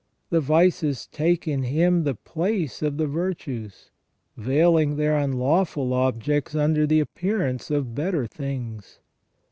The vices take in him the place of the virtues, veiling their unlawful objects under the appearance of better things.